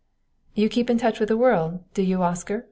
"You keep in touch with the world, do you, Oscar?